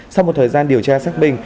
sau một thời gian điều tra xác bình